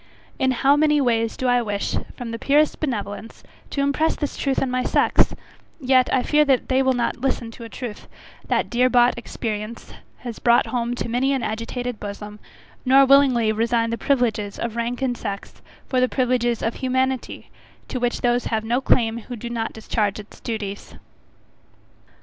In how many ways do I wish, from the purest benevolence, to impress this truth on my sex; yet I fear that they will not listen to a truth, that dear bought experience has brought home to many an agitated bosom, nor willingly resign the privileges of rank and sex for the privileges of humanity, to which those have no claim who do not discharge its duties.